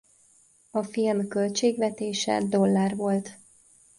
A film költségvetése dollár volt.